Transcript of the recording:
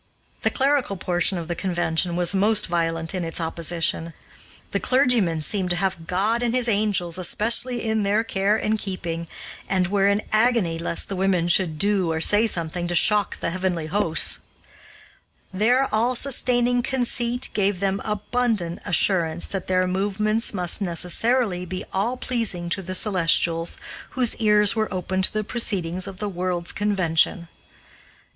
The clerical portion of the convention was most violent in its opposition. The clergymen seemed to have God and his angels especially in their care and keeping, and were in agony lest the women should do or say something to shock the heavenly hosts. Their all sustaining conceit gave them abundant assurance that their movements must necessarily be all pleasing to the celestials whose ears were open to the proceedings of the World's Convention.